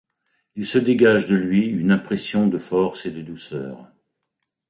Il se dégage de lui une impression de force et de douceur.